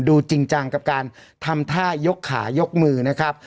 จริงจังกับการทำท่ายกขายกมือนะครับ